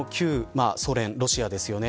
旧ソ連、ロシアですよね